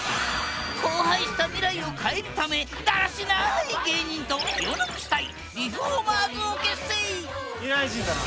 荒廃した未来を変えるためだらしない芸人と「世直し隊リフォーマーズ」を結成未来人だな。